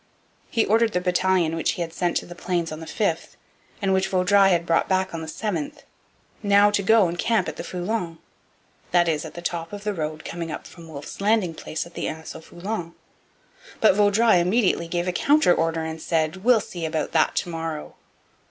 He ordered the battalion which he had sent to the Plains on the 5th, and which Vaudreuil had brought back on the 7th, 'now to go and camp at the Foulon'; that is, at the top of the road coming up from Wolfe's landing place at the Anse au Foulon. But Vaudreuil immediately gave a counter order and said: 'We'll see about that to morrow.'